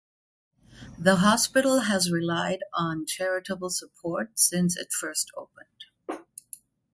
The hospital has relied on charitable support since it first opened.